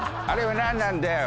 「あれは何なんだ？